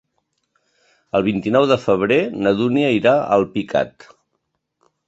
El vint-i-nou de febrer na Dúnia irà a Alpicat.